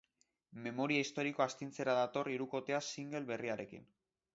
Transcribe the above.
Memoria historikoa astintzera dator hirukotea single berriarekin.